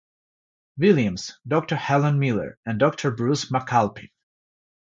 Williams, Doctor Helen Miller, and Doctor Bruce McAlpin.